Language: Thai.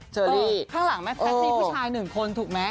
นี่ข้างหลังแม่แพทย์มีผู้ชายหนึ่งคนถูกไหม